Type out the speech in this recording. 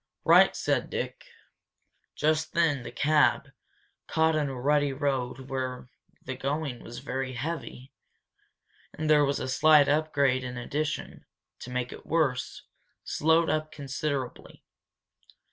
"Right!" said Dick. Just then the cab, caught in a rutty road where the going was very heavy, and there was a slight upgrade in addition, to make it worse, slowed up considerably.